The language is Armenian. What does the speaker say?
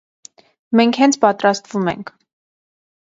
Մենք հենց պատրաստվում ենք։